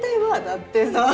だってさ。